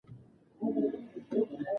تعلیم یافته مور د حفظ الصحې اصول پیژني۔